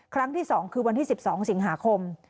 ครั้งที่๒คือวันที่๑๒สิงหาคม